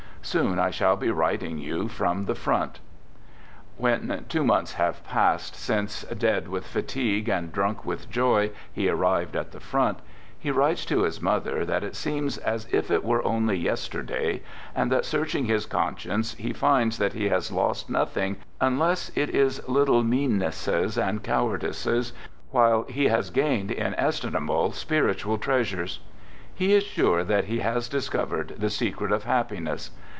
Soon I shall be writing you from ttie When two months have passed since " dead with fatigue and drunk with joy," he arrived at the front, he writes to his mother that it seems as if it were only yesterday, and that searching his conscience, he finds that he has lost nothing, unless it is little mean nesses and cowardices, while he has gained inestim able spiritual treasures. He is sure that he has dis covered the secret of happiness.